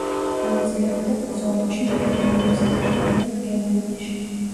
მონაწილეობდა ბრძოლებში ნიდერლანდებსა და ჩრდილოეთ გერმანიაში.